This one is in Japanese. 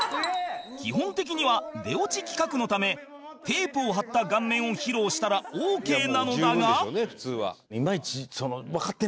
基本的には出落ち企画のためテープを貼った顔面を披露したらオーケーなのだが